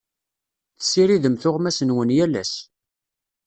Tessiridem tuɣmas-nwen yal ass.